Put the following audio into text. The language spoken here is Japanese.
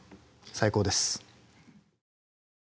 最高です。